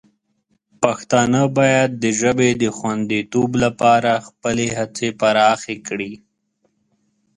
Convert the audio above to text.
پښتانه باید د ژبې د خوندیتوب لپاره خپلې هڅې پراخې کړي.